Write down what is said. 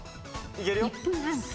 いけるよ。